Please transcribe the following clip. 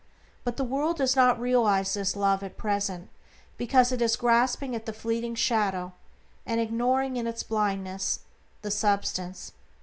But the world does not realize this Love at present because it is grasping at the fleeting shadow and ignoring, in its blindness, the substance.